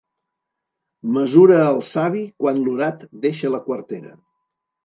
Mesura el savi quan l'orat deixa la quartera.